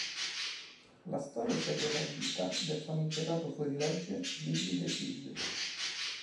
La storia segue la vita del famigerato fuorilegge Billy the Kid.